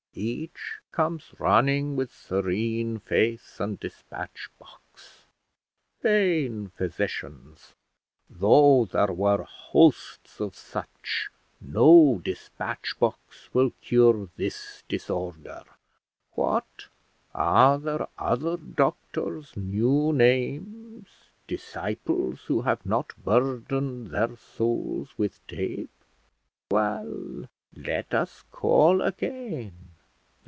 Each comes running with serene face and despatch box. Vain physicians! though there were hosts of such, no despatch box will cure this disorder! What! are there other doctors' new names, disciples who have not burdened their souls with tape? Well, let us call again.